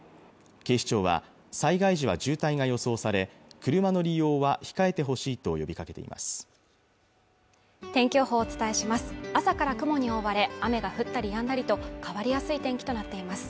警視庁は災害時は渋滞が予想され車の利用は控えてほしいと呼びかけています